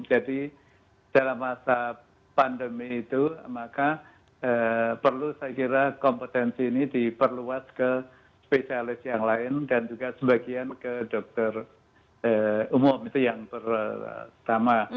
jadi dalam masa pandemi itu maka perlu saya kira kompetensi ini diperluas ke spesialis yang lain dan juga sebagian ke dokter umum itu yang pertama